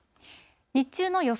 日中の予想